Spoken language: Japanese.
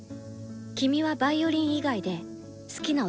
君はヴァイオリン以外で好きな音って何？